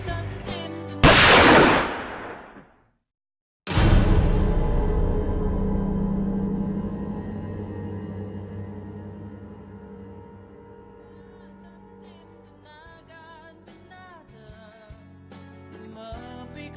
จันที่ดูสดใสนั้นเป็นเรื่องใจเธอหรือเปล่า